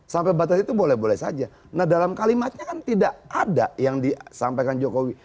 sampai batas itu boleh boleh saja nah dalam kalimatnya kan tidak ada yang disampaikan jokowi